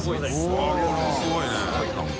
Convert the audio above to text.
うわっこれもすごいね何か。